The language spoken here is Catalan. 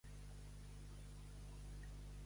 Tal qual vegada.